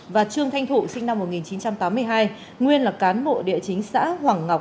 và trương thanh thụ sinh năm một nghìn chín trăm tám mươi hai nguyên là cán bộ địa chính xã hoàng ngọc